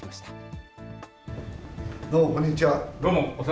どうも、こんにちは。